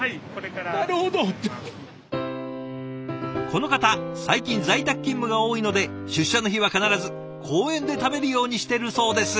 この方最近在宅勤務が多いので出社の日は必ず公園で食べるようにしてるそうです。